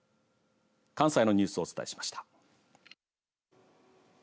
関西のニュースをお伝えしました。